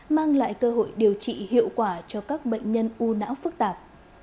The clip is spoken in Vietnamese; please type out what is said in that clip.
mang lại cơ hội điều trị hiệu quả cho các bệnh nhân u não phức tạp